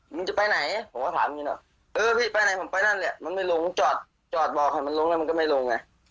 มึงจะไปไหนผมก็ถามอย่างนี้เนอะเออพี่ไปไหนผมไปนั่นแหละมันไม่ลงจอดจอดบอกให้มันลงแล้วมันก็ไม่ลงไง